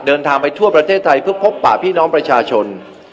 เดินทางไปทั่วประเทศไทยเพื่อพบป่าพี่น้องประชาชน